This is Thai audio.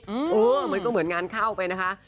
เออมันก็เหมือนงานเข้าไปนะคะ